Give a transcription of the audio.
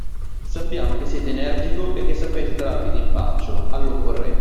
Sappiamo che siete energico e che sapete trarvi d'impaccio, all'occorrenza.